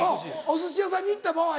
お寿司屋さんに行った場合。